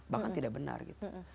bahkan tidak benar gitu